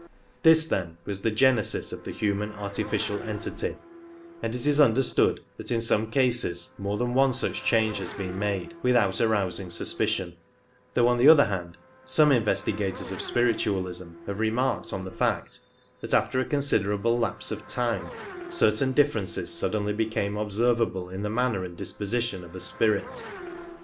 This, then, was the genesis of the human artificial entity, and it is understood that in some cases more than one such change has been made without arousing suspicion, though on the other hand some investigators of spiritualism have remarked on the fact that after a considerable lapse of 8i time certain differences suddenly became observable in the manner and disposition of a spirit